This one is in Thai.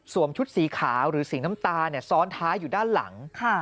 ชุดสีขาวหรือสีน้ำตาลซ้อนท้ายอยู่ด้านหลัง